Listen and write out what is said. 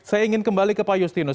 saya ingin kembali ke pak justinus